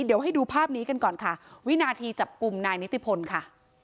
เดี๋ยวให้ดูภาพนี้กันก่อนค่ะวินาทีจับกลุ่มนายนิติพลค่ะ